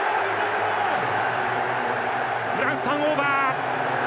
フランス、ターンオーバー！